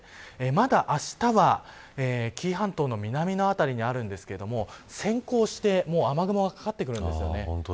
まだ、あしたは紀伊半島の南のあたりにあるんですが、先行して雨雲がかかってくるんです。